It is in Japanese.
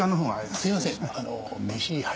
すいません。